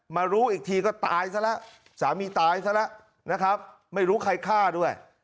มารู้อีกทีก็ตายซะแล้วสามีตายซะแล้วนะครับไม่รู้ใครฆ่าด้วย